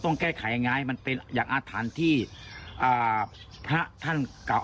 ต้องแก้ไขยังไงมันเป็นอย่างอาถรรพ์ที่อ่าพระท่านกลับ